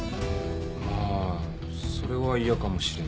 まあそれは嫌かもしれんね。